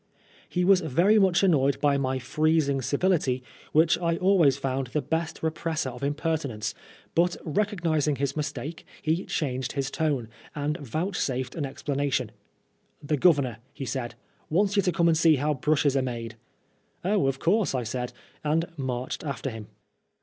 He was very much annoyed by my freezing civility, which I always found the best represser of impertinence; but recognising his mistake, he changed his tone, and vouchssied an explanation. *' The Governor," he said, " wants you to come and see how brushes are made." " Oh, of course," I said, and marched after him.